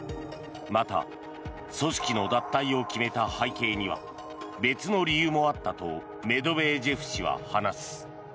また組織の脱退を決めた背景には別の理由もあったとメドベージェフ氏は話す。